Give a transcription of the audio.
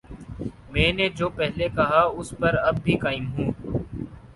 میں نے جو پہلے کہا ،اس پر اب بھی قائم ہوں